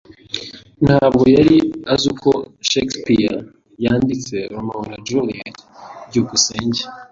Ntabwo yari azi ko Shakespeare yanditse Romeo na Juliet. byukusenge